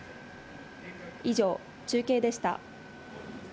以上、中継でした。